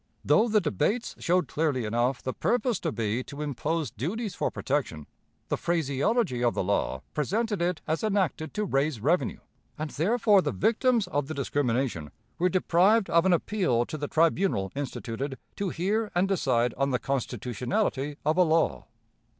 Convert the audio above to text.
Though the debates showed clearly enough the purpose to be to impose duties for protection, the phraseology of the law presented it as enacted to raise revenue, and therefore the victims of the discrimination were deprived of an appeal to the tribunal instituted to hear and decide on the constitutionality of a law.